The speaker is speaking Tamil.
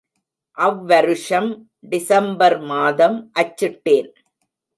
அவ்வருஷம் டிசம்பர் மாதம் அச்சிட்டேன்.